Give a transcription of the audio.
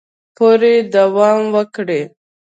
پورې دوام وکړي